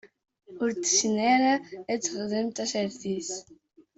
Ur tessin ara ad texdem tasertit.